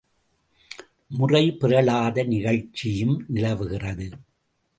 முறை பிறழாத நிகழ்ச்சியும் நிலவுகிறது.